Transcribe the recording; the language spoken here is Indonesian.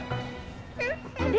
tadi ada nyium nyium